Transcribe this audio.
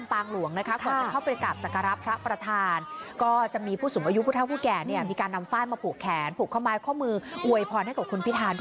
ฟังสำเนี่ยงเหนือจากคุณพิธา